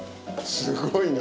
すごいな。